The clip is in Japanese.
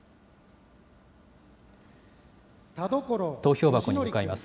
投票箱に向かいます。